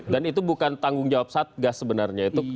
dan itu bukan tanggung jawab satgas sebenarnya